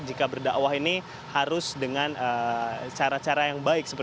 jika berdakwah ini harus dengan cara cara yang baik